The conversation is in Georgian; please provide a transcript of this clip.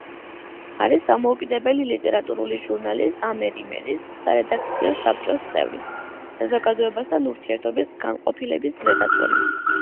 არის დამოუკიდებელი ლიტერატურული ჟურნალის „ამერ–იმერის“ სარედაქციო საბჭოს წევრი, საზოგადოებასთან ურთიერთობის განყოფილების რედაქტორი.